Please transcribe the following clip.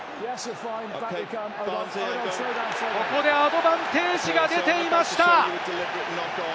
ここでアドバンテージが出ていました！